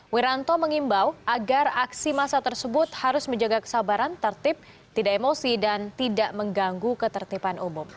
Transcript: wiranto mengimbau agar aksi massa tersebut harus menjaga kesabaran tertib tidak emosi dan tidak mengganggu ketertiban umum